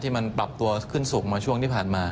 มันปรับตัวขึ้นสูงมาช่วงที่ผ่านมา